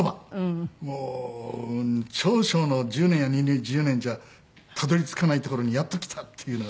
もう少々の１０年や２０年じゃたどり着かない所にやっと来たっていうのが。